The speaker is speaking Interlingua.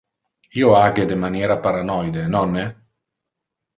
Io age de maniera paranoide, nonne?